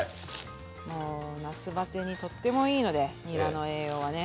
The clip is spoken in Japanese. もう夏バテにとってもいいのでにらの栄養はね。